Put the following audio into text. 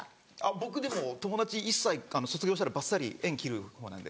僕でも友達一切卒業したらばっさり縁切る方なんで。